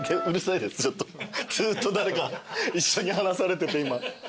ずっと誰か一緒に話されてて今。